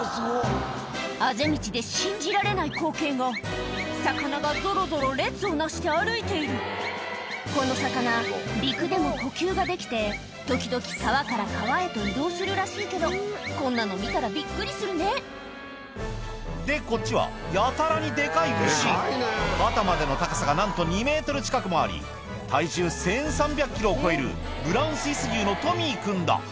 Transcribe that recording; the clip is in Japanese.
あぜ道で信じられない光景が魚がぞろぞろ列を成して歩いているこの魚陸でも呼吸ができて時々川から川へと移動するらしいけどこんなの見たらびっくりするねでこっちはやたらにデカい牛肩までの高さが何と２ｍ近くもあり体重１３００ｋｇを超えるのトミー君だ